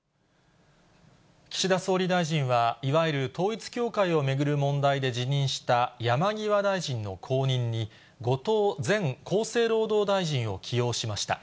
岸田総理大臣は、いわゆる統一教会を巡る問題で辞任した山際大臣の後任に、後藤前厚生労働大臣を起用しました。